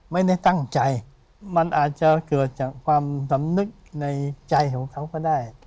ไม่ได้ตั้งใจมันอาจจะเกิดจากความสำนึกในใจของเขาก็ได้